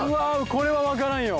これは分からんよ